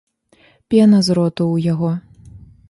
Пена з роту ў яго.